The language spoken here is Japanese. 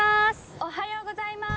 「おはようございます」。